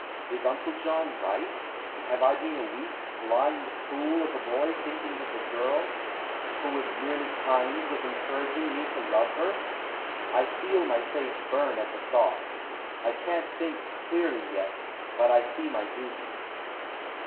Is Uncle John right, and have I been a weak, blind fool of a boy, thinking that the girl, who was merely kind, was encouraging me to love her? I feel my face burn at the thought. I can't think clearly yet, but I see my duty.